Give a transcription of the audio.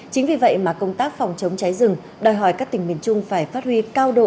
chính vì vậy mà công tác phòng chống cháy rừng đòi hỏi các tỉnh miền trung phải phát huy cao độ